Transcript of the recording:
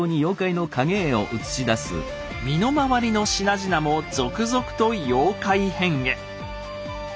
身の回りの品々も続々と妖怪変化。